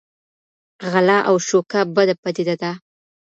غلا او شوکه بده پدیده ده.